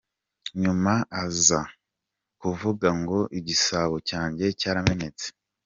Nyuma aza kuvuga ngo «Igisabo cyanjye cyaramenetse.